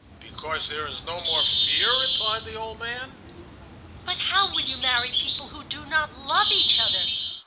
"Because there is no more fear," replied the old man. "But how will you marry people who do not love each other?